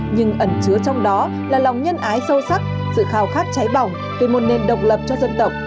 nhưng ẩn chứa trong đó là lòng nhân ái sâu sắc sự khao khát cháy bỏng về một nền độc lập cho dân tộc